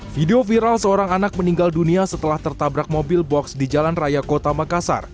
video viral seorang anak meninggal dunia setelah tertabrak mobil box di jalan raya kota makassar